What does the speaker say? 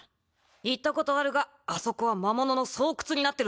行ったことあるがあそこは魔物の巣窟になってるぞ。